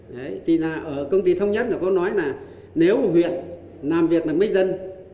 đấy thì là ở công ty thống nhất nó có nói là nếu huyện làm việc là mấy dân